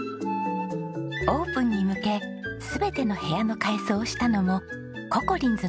オープンに向け全ての部屋の改装をしたのもココリンズの皆さん。